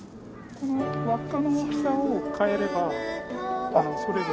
この輪っかの大きさを変えればそれぞれ。